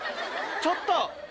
ちょっと！